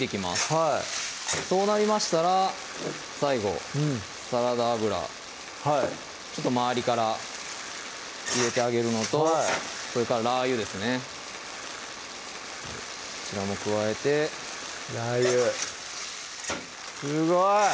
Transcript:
はいそうなりましたら最後サラダ油周りから入れてあげるのとそれからラー油ですねこちらも加えてラー油すごい！